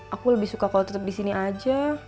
aku lebih suka kalau tetep disini aja